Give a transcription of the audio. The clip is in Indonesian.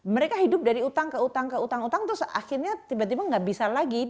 mereka hidup dari utang ke utang ke utang utang terus akhirnya tiba tiba nggak bisa lagi